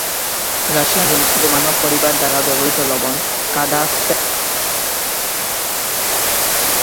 Russian Romanov পরিবার দ্বারা ব্যবহৃত লবণ কাদা স্প্যাস এখনও কাজ করে।